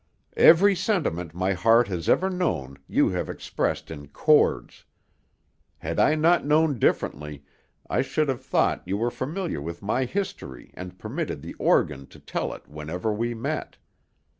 "Every sentiment my heart has ever known you have expressed in chords. Had I not known differently, I should have thought you were familiar with my history and permitted the organ to tell it whenever we met.